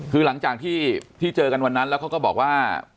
คือหลังจากที่เจอกันวันนั้นแล้วเขาก็บอกว่า